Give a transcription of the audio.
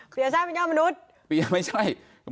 ปีชาติไม่ใช่มนุษย์